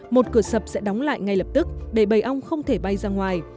một cửa sập sẽ đóng lại ngay lập tức để bày ong không thể bay ra ngoài